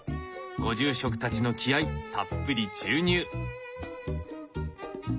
ご住職たちの気合いたっぷり注入！